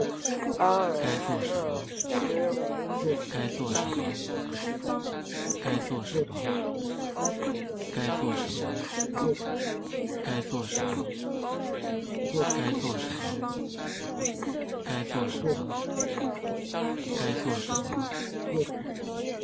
这些在行星表面凝结的甲烷能够更加降低反射率并覆盖任何红色的托林。